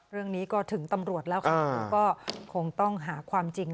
เรื่องนี้ก็ถึงตำรวจแล้วค่ะก็คงต้องหาความจริง